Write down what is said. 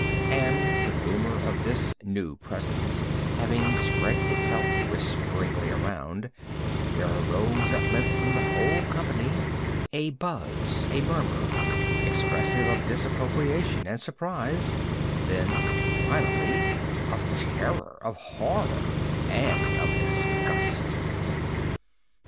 And the rumor of this new presence having spread itself whisperingly around, there arose at length from the whole company a buzz, or murmur, expressive of disapprobation and surprise—then, finally, of terror, of horror, and of disgust.